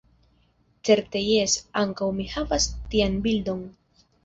Certe jes, ankaŭ mi havas tian bildon.